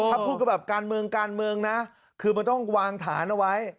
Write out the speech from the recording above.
ถ้าพูดก็แบบการเมืองการเมืองนะคือมันต้องวางฐานเอาไว้